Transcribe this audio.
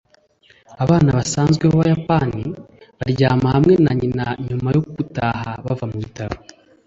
abana basanzwe b'abayapani baryama hamwe na nyina nyuma yo gutaha bava mubitaro